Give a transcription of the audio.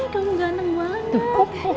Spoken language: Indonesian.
kamu ganam banget